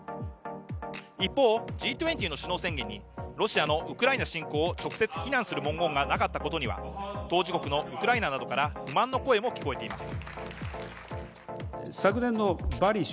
一方、Ｇ２０の首脳宣言にロシアのウクライナ侵攻を直接非難する文言がなかったことには当事国のウクライナなどから不満の声も聞こえています。